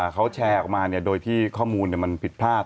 เขาแชร์ออกมาโดยที่ข้อมูลมันผิดพลาด